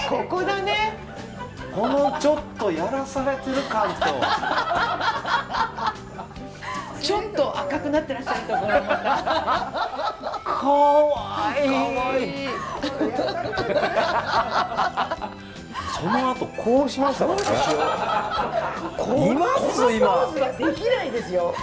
こうですよ。